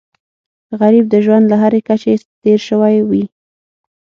غریب د ژوند له هرې کچې تېر شوی وي